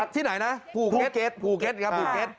ที่ไหนนะภูเก็ตครับ